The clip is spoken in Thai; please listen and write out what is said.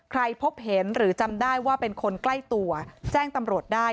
พบเห็นหรือจำได้ว่าเป็นคนใกล้ตัวแจ้งตำรวจได้